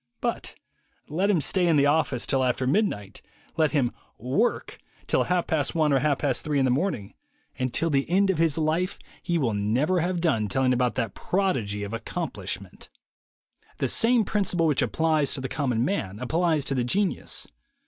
But let him stay in the office till after midnight, let him "work" till half past one or half past three in the morning, and till the end of his life 146 THE WAY TO WILL POWER he will never have done telling about that prodigy of accomplishment. The same principle which applies to the common man applies to the genius.